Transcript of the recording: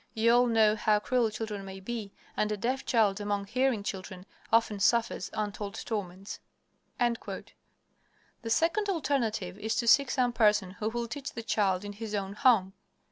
You all know how cruel children may be, and a deaf child among hearing children often suffers untold torments." The second alternative is to seek some person who will teach the child in his own home.